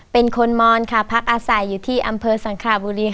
เป็นคนมอนค่ะพักอาศัยอยู่ที่อำเภอสังคราบุรี